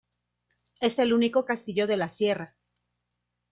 Es el único castillo de la Sierra.